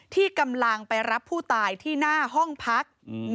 ที่กำลังไปรับผู้ตายที่หน้าห้องพัก